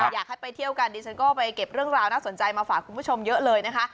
อยากให้ไปเที่ยวกันดิฉันก็ไปเก็บเรื่องราวน่าสนใจมาฝากคุณผู้ชมเยอะเลยนะคะ